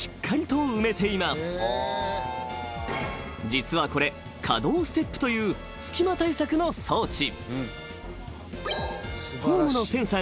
［実はこれ可動ステップという隙間対策の装置］